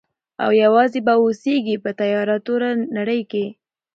او یوازي به اوسیږي په تیاره توره نړۍ کي.